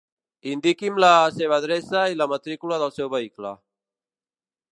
Indiqui'm la seva adreça i la matrícula del seu vehicle.